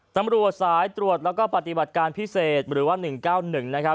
ตำรวจสายตรวจและปฏิบัติการพิเศษหรือว่า๑๙๑